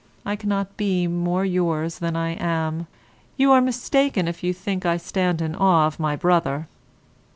I cannot be more yours than I am. You are mistaken if you think I stand in awe of my brother.